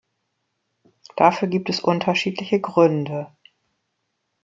Dafür gibt es unterschiedliche Gründe.